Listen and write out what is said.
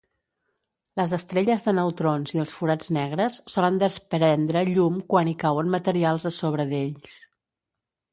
Les estrelles de neutrons i els forats negres solen desprendre llum quan hi cauen materials a sobre d"ells.